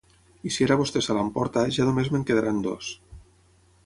I si ara vostè se l'emporta ja només me'n quedaran dos.